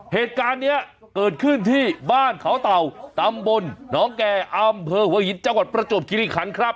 เหตุการณ์นี้เกิดขึ้นที่บ้านเขาเต่าตำบลน้องแก่อำเภอหัวหินจังหวัดประจวบคิริคันครับ